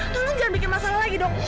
tolong jangan bikin masalah lagi dok